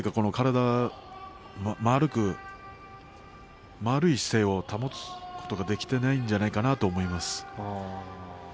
調子が悪いせいか丸い姿勢を保つことができていないんじゃないかなと思います。